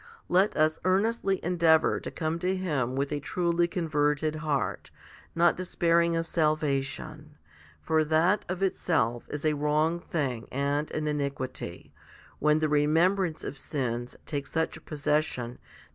Let us earnestly endeavour to come to Him with a truly converted heart, not despairing of salva tion; for that of itself is a wrong thing and an iniquity, when the remembrance of sins takes such possession that 1 Matt.